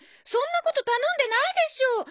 そんなこと頼んでないでしょう。